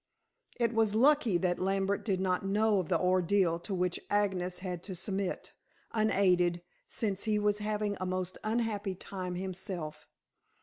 It was lucky that Lambert did not know of the ordeal to which Agnes had to submit, unaided, since he was having a most unhappy time himself.